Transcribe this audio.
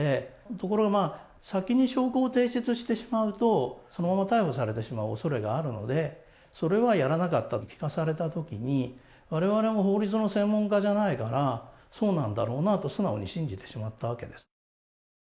ところが先に証拠を提出してしまうと、そのまま逮捕されてしまうおそれがあるので、それはやらなかったと聞かされたときに、われわれも法律の専門家ではないから、そうなんだろうなと素直に信じてしまったわけです。